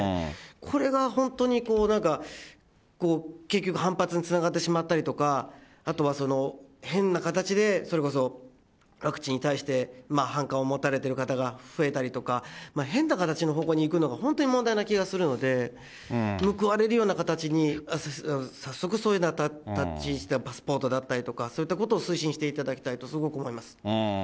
これが本当になんか結局、反発につながってしまったりとか、あとは変な形で、それこそワクチンに対して反感を持たれてる方が増えたりとか、変な形の方向にいくのが本当に問題な気がするので、報われるような形に早速、ワクチンパスポートだったりとか、そういったことを推進していただきたいと、すごく思います。